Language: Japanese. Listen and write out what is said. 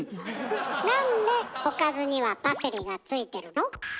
なんでおかずにはパセリがついてるの？